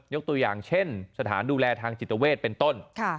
ตัวอย่างเช่นสถานดูแลทางจิตเวทเป็นต้น